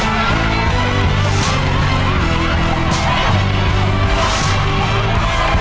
มากเลยนะครับ